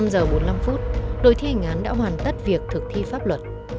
năm giờ bốn mươi năm phút đối thi hành án đã hoàn tất việc thực thi pháp luật